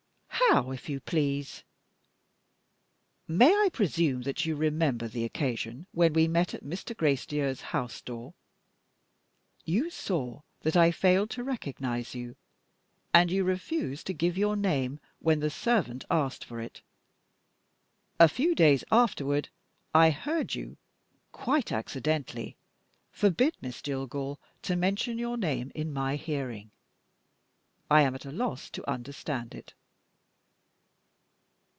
"How, if you please?" "May I presume that you remember the occasion when we met at Mr. Gracedieu's house door? You saw that I failed to recognize you, and you refused to give your name when the servant asked for it. A few days afterward, I heard you (quite accidentally) forbid Miss Jillgall to mention your name in my hearing. I am at a loss to understand it."